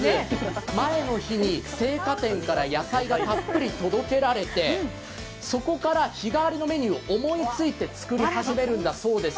前の日に青果店から野菜がたっぷり届けられて、そこから日替わりのメニューを思いついて作り始めるんだそうです。